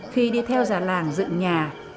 khi đi theo già làng dựng nhà